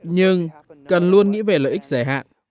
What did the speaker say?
nhưng cần luôn nghĩ về lợi ích giải hạn